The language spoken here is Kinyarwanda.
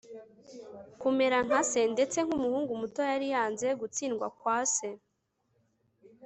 kumera nka se. ndetse nkumuhungu muto yari yanze gutsindwa kwa se